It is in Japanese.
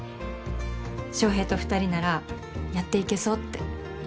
翔平と２人ならやっていけそうって。